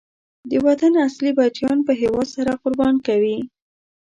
د وطن اصلی بچیان په هېواد سر قربان کوي.